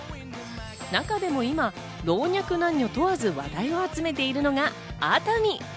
中でも今、老若男女問わず話題を集めているのが熱海。